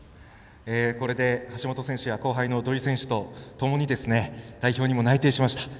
これで橋本選手や後輩の土井選手とともに代表に内定しました。